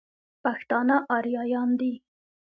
پښتانه اريايان دي.